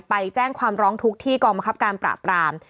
ไปแจ้งความร้องทุกข์ที่กองบังคับการปราบราม